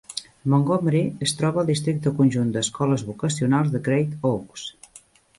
Montgomery es troba al districte conjunt d'escoles vocacionals de Great Oaks.